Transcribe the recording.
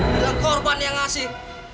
bila korban yang ngasih